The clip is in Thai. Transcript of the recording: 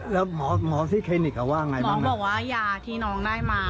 แล้วหมอที่คลินิกว่าไงบ้างเขาบอกว่ายาที่น้องได้มา